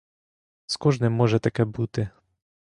З кожним може таке бути!